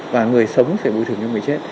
và người sống phải bồi thường cho người chết